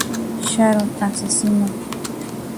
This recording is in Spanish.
Sharon asesino.